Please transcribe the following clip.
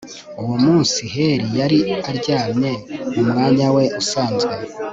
uwo munsi heli yari aryamye mu mwanya we usanzwe